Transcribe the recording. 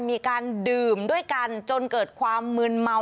มีการดื่มด้วยกันจนเกิดความมืนเมา